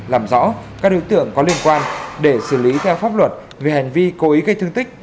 làm rõ các đối tượng có liên quan để xử lý theo pháp luật về hành vi cố ý gây thương tích